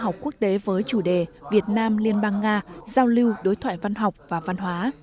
hội thảo khoa học đã diễn ra quốc tế với chủ đề việt nam liên bang nga giao lưu đối thoại văn học và văn hóa